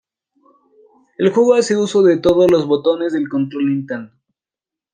El juego hace uso de todos los botones del control de Nintendo.